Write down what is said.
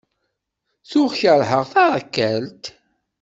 Tuɣ kerheɣ tarakalt.